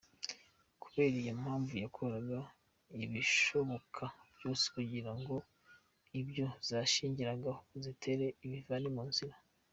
Kubera iyo mpamvu, yakoraga ibishoboka byose kugira ngo ibyo zashingiragaho zitera ibivane mu nzira.